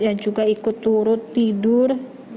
yang juga ikut turut tidur